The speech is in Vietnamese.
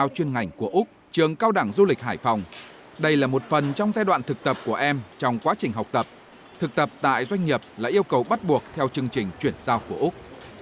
thực tập tại doanh nghiệp là yêu cầu bắt buộc theo chương trình chuyển giao của úc